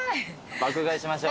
爆買いしましょう。